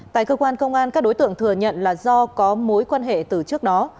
tại cơ quan công an các đối tượng thừa nhận là do có mối quan hệ từ trước đó